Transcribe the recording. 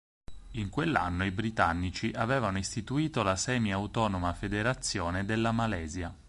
In quell'anno i britannici avevano istituito la semi-autonoma Federazione della Malesia.